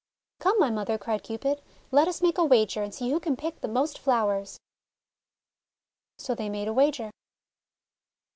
:<Come, my mother," cried Cupid, "let us make a wager, and see who can pick the most flowers is So they made a wager.